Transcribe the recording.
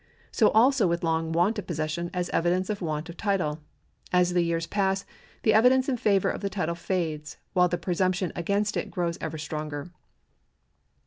So also with long want of possession as evidence of want of title ; as the years pass, the evidence in favour of the title fades, while the presump tion against it grows ever stronger.